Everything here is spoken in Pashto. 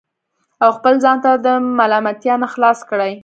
او خپل ځان د ملامتیا نه خلاص کړي